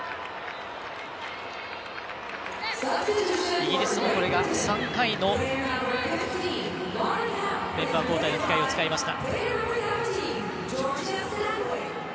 イギリスも、これで３回のメンバー交代の機会を使いました。